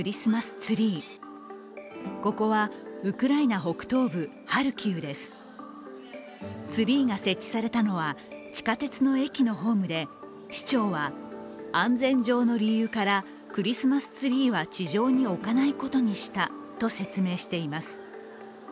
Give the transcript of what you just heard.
ツリーが設置されたのは地下鉄の駅のホームで市長は安全上の理由からクリスマスツリーは地上に置かないことにしたと説明しています。